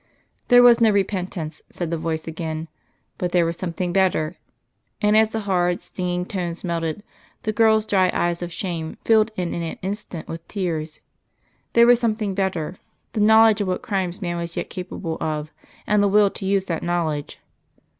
There was no repentance, said the voice again, but there was something better; and as the hard, stinging tones melted, the girl's dry eyes of shame filled in an instant with tears. There was something better the knowledge of what crimes man was yet capable of, and the will to use that knowledge.